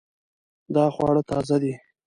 دا خواړه تازه دي